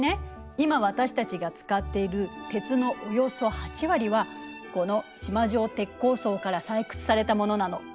今私たちが使っている鉄のおよそ８割はこの縞状鉄鉱層から採掘されたものなの。